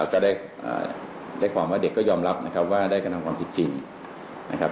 ก็ได้ความว่าเด็กก็ยอมรับนะครับว่าได้กระทำความผิดจริงนะครับ